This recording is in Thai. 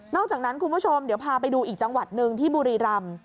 อกจากนั้นคุณผู้ชมเดี๋ยวพาไปดูอีกจังหวัดหนึ่งที่บุรีรำ